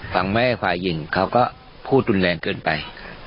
ซ้ำแม่ฝ่ายยิ่งเขาก็พูดดุแลงเกินไป